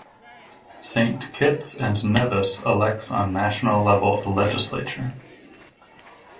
Saint Kitts and Nevis elects on national level a legislature.